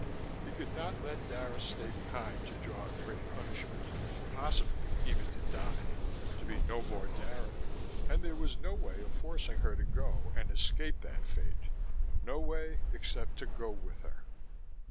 He could not let Dara stay behind to draw a great punishment, possibly even to die, to be no more Dara. And there was no way of forcing her to go and escape that fate no way except to go with her.